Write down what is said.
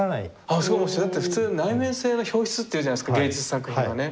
ああだって普通内面性の表出って言うじゃないですか芸術作品はね。